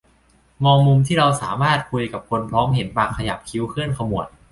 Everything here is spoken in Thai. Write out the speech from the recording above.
มองมุมที่เราสามารถคุยกับคนพร้อมเห็นปากขยับ คิ้วเคลื่อนขมวด